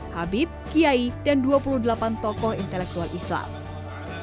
habib kiai dan dua puluh delapan tokoh intelektual islam